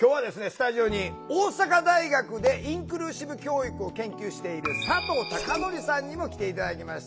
スタジオに大阪大学でインクルーシブ教育を研究している佐藤貴宣さんにも来て頂きました。